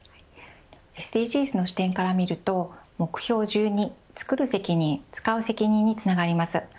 ＳＤＧｓの視点から見ると目標１２、作る責任使う責任につながります。